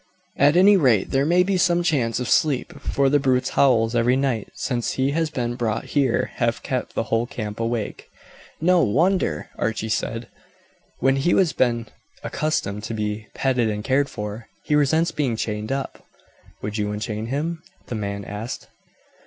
At any rate there may be some chance of sleep, for the brute's howls every night since he has been brought here have kept the whole camp awake." "No wonder!" Archie said, "when he has been accustomed to be petted and cared for; he resents being chained up." "Would you unchain him?" the man asked.